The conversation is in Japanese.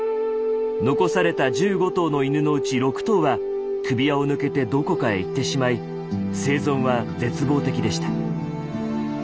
残された１５頭の犬のうち６頭は首輪を抜けてどこかへ行ってしまい生存は絶望的でした。